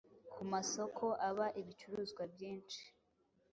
ku masoko aba ibicuruzwa byinshi